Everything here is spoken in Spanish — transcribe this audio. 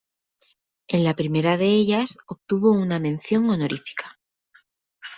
En la primera de ellas obtuvo una mención honorífica.